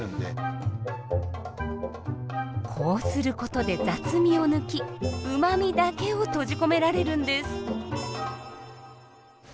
こうすることで雑味を抜きうまみだけを閉じ込められるんです。